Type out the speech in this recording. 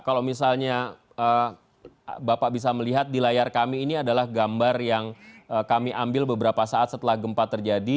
kalau misalnya bapak bisa melihat di layar kami ini adalah gambar yang kami ambil beberapa saat setelah gempa terjadi